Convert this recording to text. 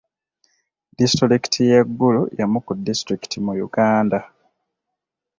Disitulikiti y'e Gulu y'emu ku disitulikiti mu Uganda.